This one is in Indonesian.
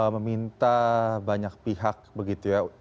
meminta banyak pihak begitu ya